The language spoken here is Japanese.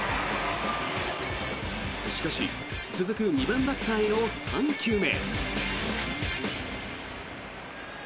しかし、続く２番バッターへの３球目。